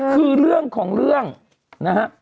คือเรื่องของเรื่องนะฮะ